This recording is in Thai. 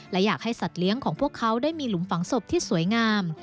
และอยากให้สัตว์เลี้ยงของพวกเขาได้มีหลุมฝังศพที่สวยงาม